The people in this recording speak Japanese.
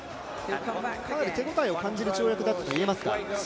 かなり手応えを感じる跳躍だったと言えますか？